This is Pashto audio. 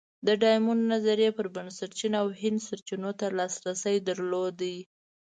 د ډایمونډ نظریې پر بنسټ چین او هند سرچینو ته لاسرسی درلود.